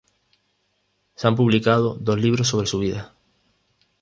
Se han publicado dos libros sobre su vida.